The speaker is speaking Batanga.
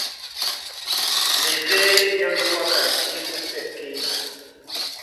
Mevé myɔ́ mewakandi ó Sepitemba.